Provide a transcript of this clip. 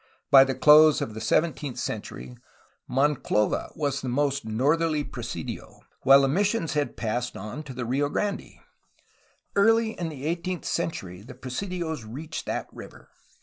By the close of the seventeenth century Monclova was the most northerly presidio, while the mis sions had passed on to the Rio Grande. Early in the eighteenth century the presidios reached that river.